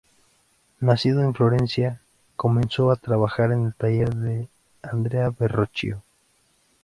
Nacido en Florencia, comenzó a trabajar en el taller de Andrea del Verrocchio.